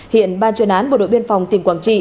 hiện ban chuyên án bộ đội biên phòng tỉnh quảng trị